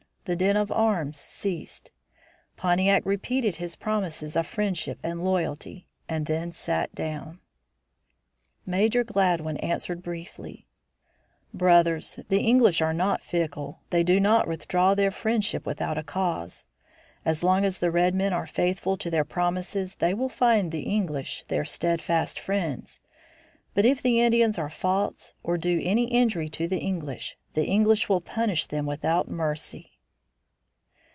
The din of arms ceased. Pontiac repeated his promises of friendship and loyalty, and then sat down. [Illustration: PONTIAC'S SPEECH] Major Gladwin answered briefly: "Brothers, the English are not fickle. They do not withdraw their friendship without cause. As long as the red men are faithful to their promises they will find the English their steadfast friends. But if the Indians are false or do any injury to the English, the English will punish them without mercy."